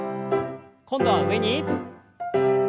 今度は上に。